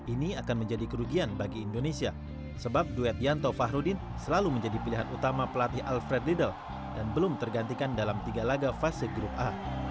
ini akan menjadi kerugian bagi indonesia sebab duet yanto fahrudin selalu menjadi pilihan utama pelatih alfred riedel dan belum tergantikan dalam tiga laga fase grup a